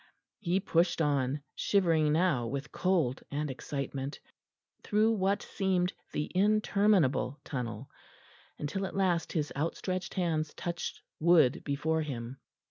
He pushed on, shivering now with cold and excitement, through what seemed the interminable tunnel, until at last his outstretched hands touched wood before him.